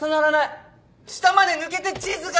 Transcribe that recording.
下まで抜けて地図が見えてる！